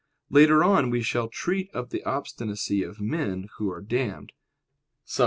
Later on we shall treat of the obstinacy of men who are damned (Suppl.